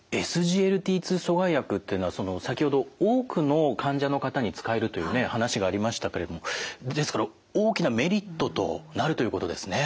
２阻害薬っていうのは先ほど多くの患者の方に使えるという話がありましたけれどもですから大きなメリットとなるということですね。